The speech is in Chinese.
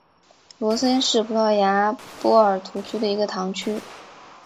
罗森是葡萄牙波尔图区的一个堂区。